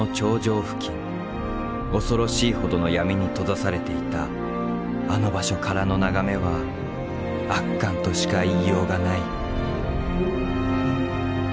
恐ろしいほどの闇に閉ざされていたあの場所からの眺めは圧巻としか言いようがない。